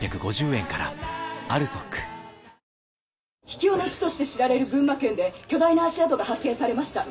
秘境の地として知られる群馬県で巨大な足跡が発見されました。